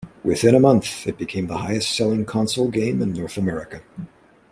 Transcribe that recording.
Within a month, it became the highest selling console game in North America.